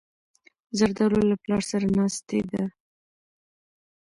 زردالو له پلار سره ناستې ده.